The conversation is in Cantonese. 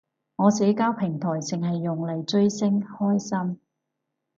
我社交平台剩係用嚟追星，開心